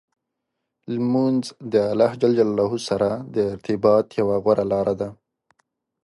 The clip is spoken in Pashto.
لمونځ د الله جل جلاله سره د ارتباط یوه غوره لار ده.